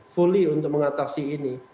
fully untuk mengatasi ini